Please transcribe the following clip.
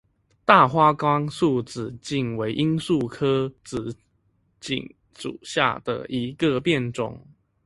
大花甘肃紫堇为罂粟科紫堇属下的一个变种。